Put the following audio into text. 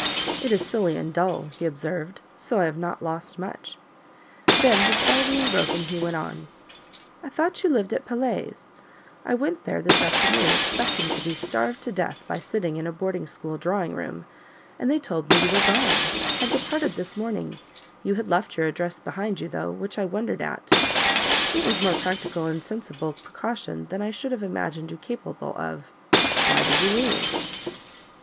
"It is silly and dull," he observed, "so I have not lost much;" then the spell being broken, he went on: "I thought you lived at Pelet's; I went there this afternoon expecting to be starved to death by sitting in a boarding school drawing room, and they told me you were gone, had departed this morning; you had left your address behind you though, which I wondered at; it was a more practical and sensible precaution than I should have imagined you capable of. Why did you leave?"